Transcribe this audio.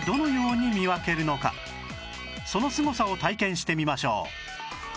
そのすごさを体験してみましょう